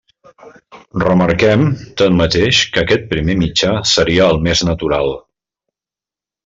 Remarquem, tanmateix, que aquest primer mitjà seria el més natural.